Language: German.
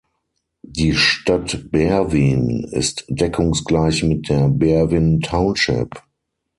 Die Stadt Berwyn ist deckungsgleich mit der "Berwyn Township".